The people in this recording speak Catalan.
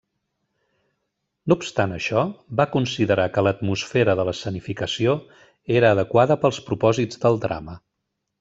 No obstant això, va considerar que l'atmosfera de l'escenificació era adequada pels propòsits del drama.